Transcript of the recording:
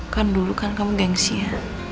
kan dulu kan kamu gengsi ya